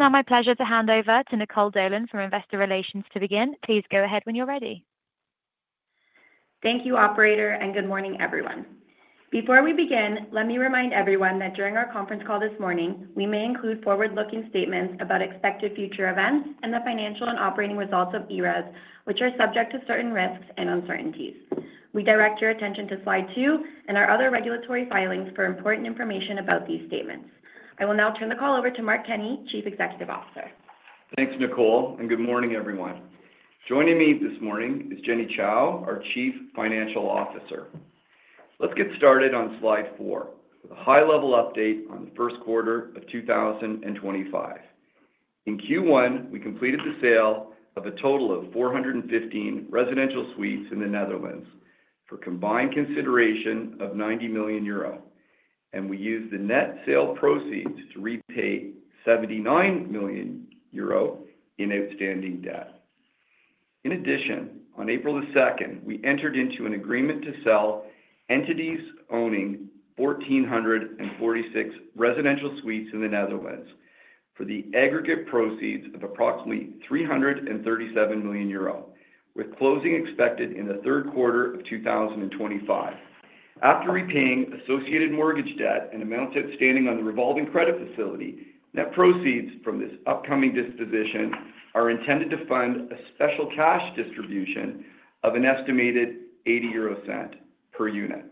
It's now my pleasure to hand over to Nicole Dolan from Investor Relations to begin. Please go ahead when you're ready. Thank you, Operator, and good morning, everyone. Before we begin, let me remind everyone that during our conference call this morning, we may include forward-looking statements about expected future events and the financial and operating results of ERES, which are subject to certain risks and uncertainties. We direct your attention to slide two and our other regulatory filings for important information about these statements. I will now turn the call over to Mark Kenney, Chief Executive Officer. Thanks, Nicole, and good morning, everyone. Joining me this morning is Jenny Chou, our Chief Financial Officer. Let's get started on slide four, the high-level update on the first quarter of 2025. In Q1, we completed the sale of a total of 415 residential suites in the Netherlands for combined consideration of 90 million euro, and we used the net sale proceeds to repay 79 million euro in outstanding debt. In addition, on April the 2nd, we entered into an agreement to sell entities owning 1,446 residential suites in the Netherlands for the aggregate proceeds of approximately 337 million euro, with closing expected in the third quarter of 2025. After repaying associated mortgage debt and amounts outstanding on the revolving credit facility, net proceeds from this upcoming disposition are intended to fund a special cash distribution of an estimated 0.80 per unit,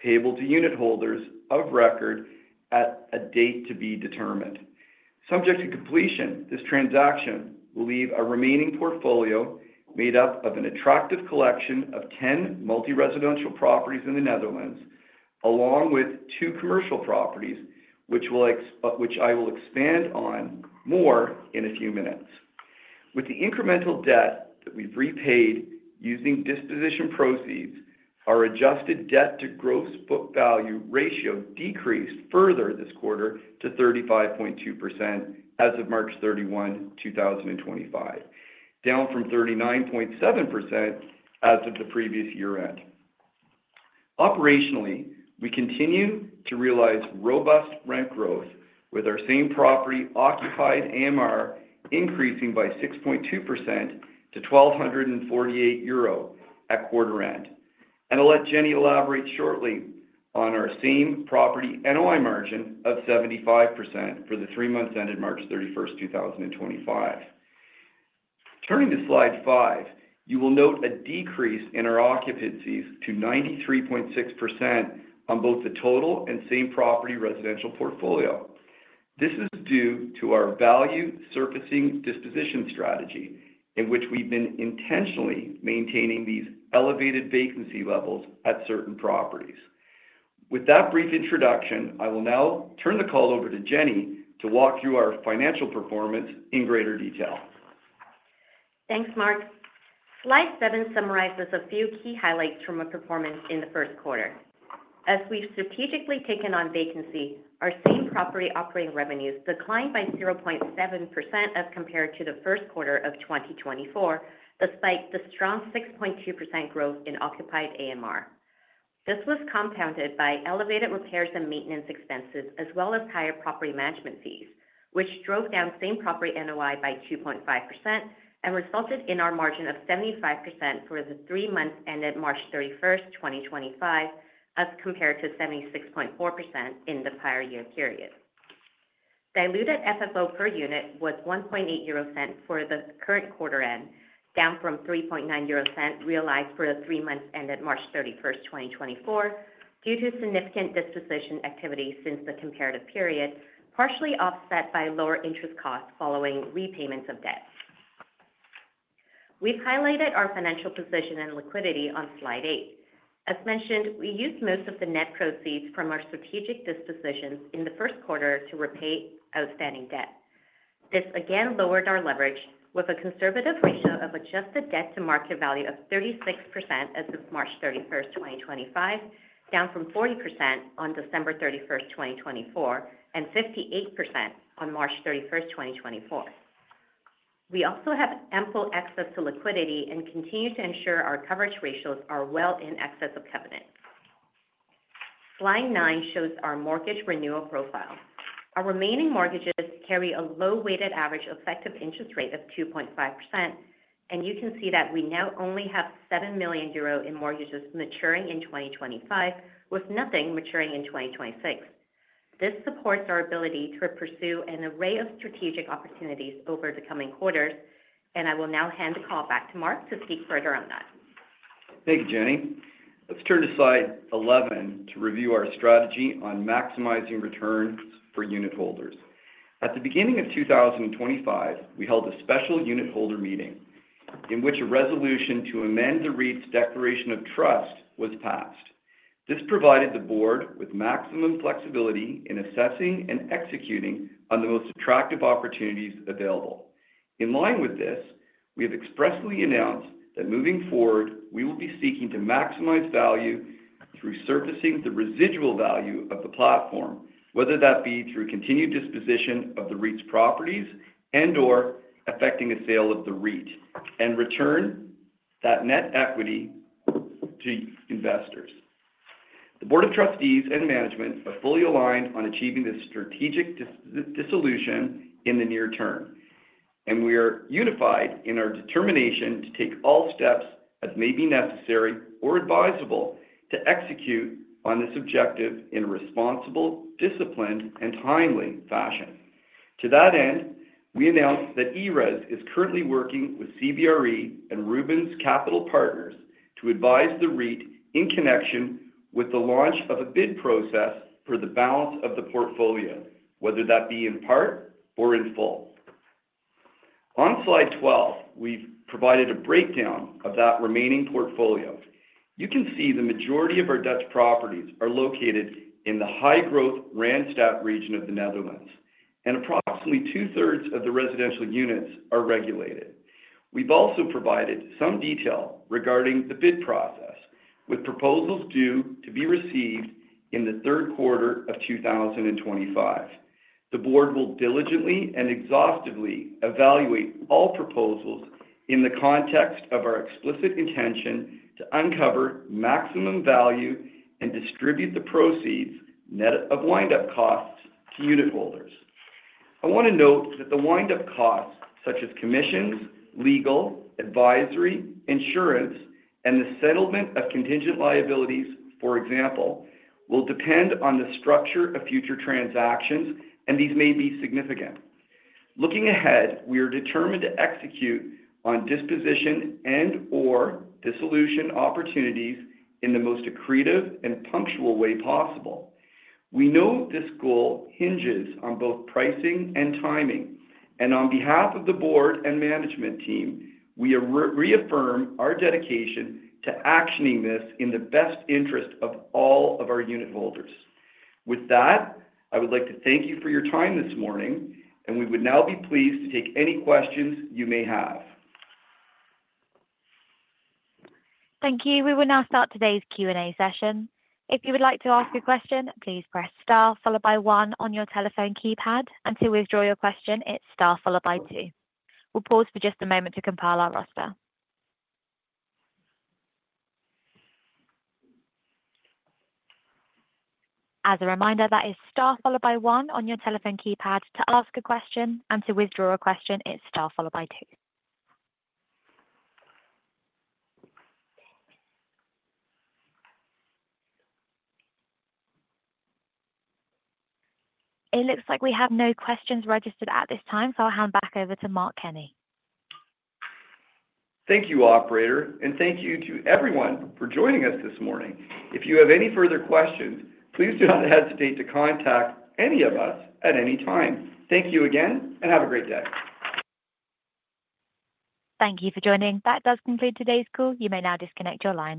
payable to unit holders of record at a date to be determined. Subject to completion, this transaction will leave a remaining portfolio made up of an attractive collection of 10 multi-residential properties in the Netherlands, along with two commercial properties, which I will expand on more in a few minutes. With the incremental debt that we've repaid using disposition proceeds, our adjusted debt-to-gross book value ratio decreased further this quarter to 35.2% as of March 31, 2025, down from 39.7% as of the previous year-end. Operationally, we continue to realize robust rent growth, with our same property occupied AMR increasing by 6.2% to 1,248 euro at quarter-end. I will let Jenny elaborate shortly on our same property NOI margin of 75% for the three months ended March 31st, 2025. Turning to slide five, you will note a decrease in our occupancies to 93.6% on both the total and same property residential portfolio. This is due to our value surfacing disposition strategy, in which we have been intentionally maintaining these elevated vacancy levels at certain properties. With that brief introduction, I will now turn the call over to Jenny to walk through our financial performance in greater detail. Thanks, Mark. Slide seven summarizes a few key highlights from our performance in the first quarter. As we've strategically taken on vacancy, our same property operating revenues declined by 0.7% as compared to the first quarter of 2024, despite the strong 6.2% growth in occupied AMR. This was compounded by elevated repairs and maintenance expenses, as well as higher property management fees, which drove down same property NOI by 2.5% and resulted in our margin of 75% for the three months ended March 31st, 2025, as compared to 76.4% in the prior year period. Diluted FFO per unit was 0.018 for the current quarter-end, down from 0.039 realized for the three months ended March 31, 2024, due to significant disposition activity since the comparative period, partially offset by lower interest costs following repayments of debt. We've highlighted our financial position and liquidity on slide eight. As mentioned, we used most of the net proceeds from our strategic dispositions in the first quarter to repay outstanding debt. This again lowered our leverage, with a conservative ratio of adjusted debt-to-market value of 36% as of March 31st, 2025, down from 40% on December 31, 2024, and 58% on March 31st, 2024. We also have ample access to liquidity and continue to ensure our coverage ratios are well in excess of covenant. Slide nine shows our mortgage renewal profile. Our remaining mortgages carry a low-weighted average effective interest rate of 2.5%, and you can see that we now only have 7 million euro in mortgages maturing in 2025, with nothing maturing in 2026. This supports our ability to pursue an array of strategic opportunities over the coming quarters, and I will now hand the call back to Mark to speak further on that. Thank you, Jenny. Let's turn to slide 11 to review our strategy on maximizing returns for unit holders. At the beginning of 2025, we held a special unit holder meeting in which a resolution to amend the REIT's declaration of trust was passed. This provided the board with maximum flexibility in assessing and executing on the most attractive opportunities available. In line with this, we have expressly announced that moving forward, we will be seeking to maximize value through surfacing the residual value of the platform, whether that be through continued disposition of the REIT's properties and/or affecting a sale of the REIT and return that net equity to investors. The Board of Trustees and Management are fully aligned on achieving this strategic dissolution in the near term, and we are unified in our determination to take all steps as may be necessary or advisable to execute on this objective in a responsible, disciplined, and timely fashion. To that end, we announce that ERES is currently working with CBRE and Rubens Capital Partners to advise the REIT in connection with the launch of a bid process for the balance of the portfolio, whether that be in part or in full. On slide 12, we've provided a breakdown of that remaining portfolio. You can see the majority of our Dutch properties are located in the high-growth Randstad region of the Netherlands, and approximately 2/3 of the residential units are regulated. We've also provided some detail regarding the bid process, with proposals due to be received in the third quarter of 2025. The board will diligently and exhaustively evaluate all proposals in the context of our explicit intention to uncover maximum value and distribute the proceeds net of wind-up costs to unit holders. I want to note that the wind-up costs, such as commissions, legal, advisory, insurance, and the settlement of contingent liabilities, for example, will depend on the structure of future transactions, and these may be significant. Looking ahead, we are determined to execute on disposition and/or dissolution opportunities in the most accretive and punctual way possible. We know this goal hinges on both pricing and timing, and on behalf of the board and management team, we reaffirm our dedication to actioning this in the best interest of all of our unit holders. With that, I would like to thank you for your time this morning, and we would now be pleased to take any questions you may have. Thank you. We will now start today's Q&A session. If you would like to ask a question, please press star followed by one on your telephone keypad. To withdraw your question, it's star followed by two. We'll pause for just a moment to compile our roster. As a reminder, that is star followed by one on your telephone keypad to ask a question, and to withdraw a question, it's star followed by two. It looks like we have no questions registered at this time, so I'll hand back over to Mark Kenney. Thank you, Operator, and thank you to everyone for joining us this morning. If you have any further questions, please do not hesitate to contact any of us at any time. Thank you again, and have a great day. Thank you for joining. That does conclude today's call. You may now disconnect your line.